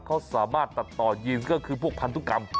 เขาสามารถตัดต่อยีนก็คือพวกพันธุกรรม